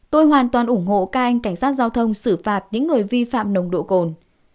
tôi hoàn toàn ủng hộ cai anh cảnh sát giao thông xử phạt những người vi phạm nồng độ cồn